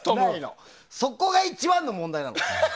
そこが一番の問題なの。